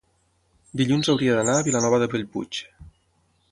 dilluns hauria d'anar a Vilanova de Bellpuig.